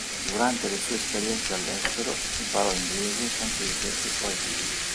Durante le sue esperienze all'estero, imparò inglese, francese e swahili.